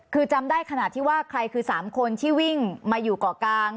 คือจำได้ขนาดที่ว่าใครคือ๓คนที่วิ่งมาอยู่เกาะกลาง